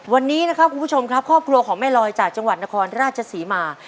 วันนี้นะครับคุณผู้ชมครับครอบครัวของแม่ลอยจากจังหวัดนครราชศรีมา